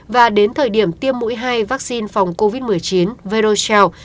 và đến thời điểm tiêm mũi hai vaccine phòng covid một mươi chín verocel